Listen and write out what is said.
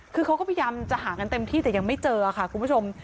คือเขาก็พยายามจะหากันเต็มที่แต่ยังไม่เจอค่ะคุณผู้ชม